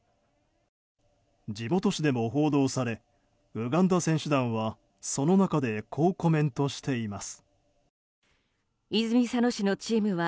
地元紙でも報道されウガンダ選手団はその中でこうコメントしています。